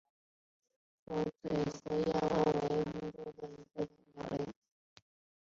黄嘴河燕鸥为鸥科燕鸥属的鸟类。